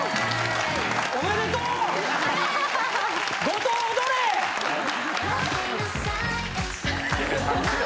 おめでとう。